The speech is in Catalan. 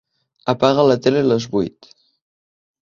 Apaga la tele a les vuit.